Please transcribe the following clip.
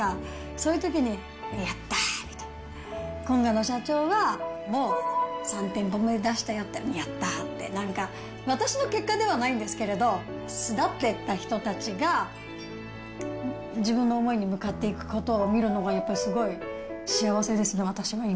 そういうときに、やったーみたいな、の社長はもう３店舗目出したよって、やったって、なんか私の結果ではないんですけれど、巣立っていった人たちが自分の思いに向かっていくことを見るのが、やっぱすごい幸せですね、私は今。